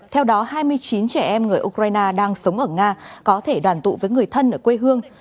theo đó hai mươi chín trẻ em người ukraine đang sống ở nga có thể đoàn tụ với người thân ở quê hương